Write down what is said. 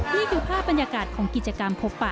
นี่คือภาพบรรยากาศของกิจกรรมพบปะ